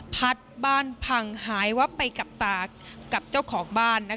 พัดบ้านพังหายวับไปกับตากับเจ้าของบ้าน